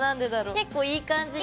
結構いい感じにね。